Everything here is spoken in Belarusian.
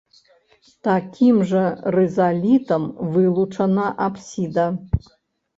Такім жа рызалітам вылучана апсіда.